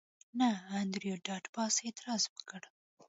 نه انډریو ډاټ باس اعتراض وکړ